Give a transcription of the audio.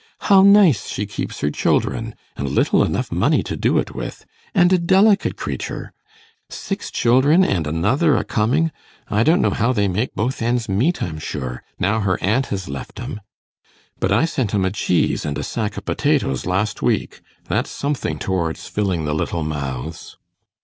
How nice she keeps her children! and little enough money to do't with; and a delicate creatur' six children, and another a coming. I don't know how they make both ends meet, I'm sure, now her aunt has left 'em. But I sent 'em a cheese and a sack o' potatoes last week; that's something towards filling the little mouths.